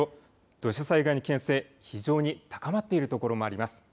土砂災害の危険性、非常に高まっている所もあります。